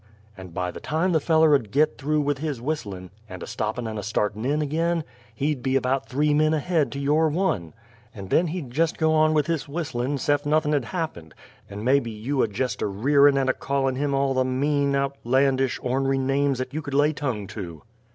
and by the time the feller 'ud git through with his whistlin', and a stoppin' and a startin' in ag'in, he'd be about three men ahead to your one. And then he'd jest go on with his whistlin' 'sef nothin' had happened, and mebby you a jest a rearin' and a callin' him all the mean, outlandish, ornry names 'at you could lay tongue to.